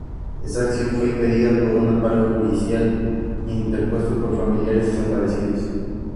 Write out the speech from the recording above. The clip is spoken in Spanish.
Esa acción fue impedida por un amparo judicial interpuesto por familiares de desaparecidos.